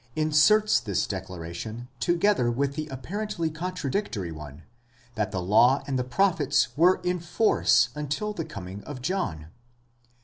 17) inserts this declaration together with the apparently contradictory one, that the law and the prophets were in force until the coming of John.